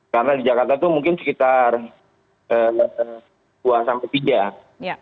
karena di jakarta itu mungkin sekitar dua sampai tiga